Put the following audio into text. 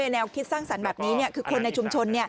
แนวคิดสร้างสรรค์แบบนี้คือคนในชุมชน